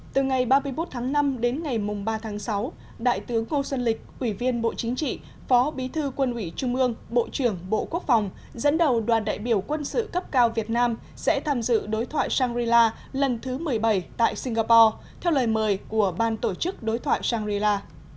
từ ngày ba mươi một tháng năm đến ngày ba tháng sáu đại tướng ngô xuân lịch ủy viên bộ chính trị phó bí thư quân ủy trung ương bộ trưởng bộ quốc phòng dẫn đầu đoàn đại biểu quân sự cấp cao việt nam sẽ tham dự đối thoại shangri la lần thứ một mươi bảy tại singapore theo lời mời của ban tổ chức đối thoại shangri la